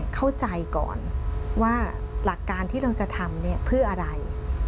เข้าใจก่อนว่าหลักการที่เราจะทำเนี่ยเพื่ออะไร